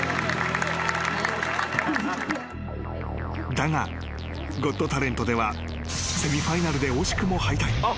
［だが『ゴット・タレント』ではセミファイナルで惜しくも敗退］